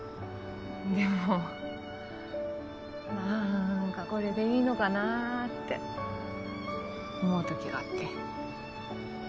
でもなんかこれでいいのかなって思う時があって。